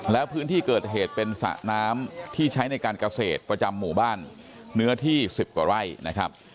แล้วพื้นที่เกิดเหตุเป็นสระน้ำที่ใช้ในการเกษตรประจำหมู่บ้านเนื้อที่๑๐กว่าไร่นะครับ